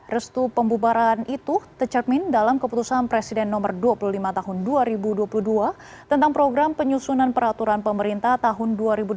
restu pembubaran itu tercermin dalam keputusan presiden nomor dua puluh lima tahun dua ribu dua puluh dua tentang program penyusunan peraturan pemerintah tahun dua ribu dua puluh